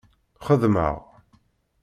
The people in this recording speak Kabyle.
Xeddmeɣ.